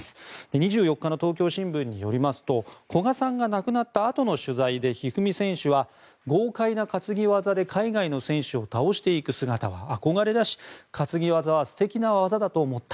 ２４日の東京新聞によりますと古賀さんが亡くなったあとの取材で一二三選手は豪快な担ぎ技で、海外の選手を倒していく姿は憧れだし担ぎ技は素敵な技だと思った。